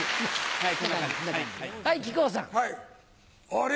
あれ？